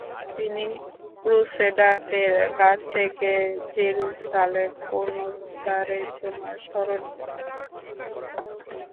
তিনি ক্রুসেডারদের কাছ থেকে জেরুসালেম পুনরুদ্ধারের জন্য স্মরণীয়।